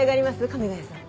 亀ヶ谷さん。